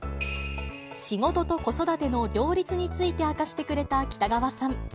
仕事と子育ての両立について明かしてくれた北川さん。